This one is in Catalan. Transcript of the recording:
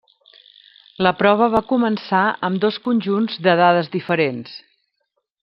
La prova va començar amb dos conjunts de dades diferents.